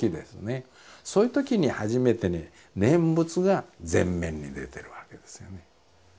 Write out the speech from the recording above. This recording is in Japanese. そのときに初めてね念仏が前面に出てるわけですよね。